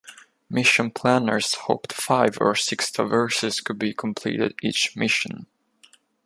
Mission planners hoped five or six traverses could be completed each mission.